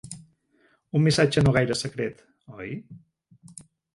Un missatge no gaire secret, oi?